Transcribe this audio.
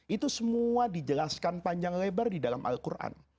itu semua dijelaskan panjang lebar di dalam al quran